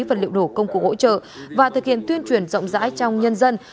vật liệu nổ công cụ hỗ trợ và thực hiện tuyên truyền rộng rãi trong nhân dân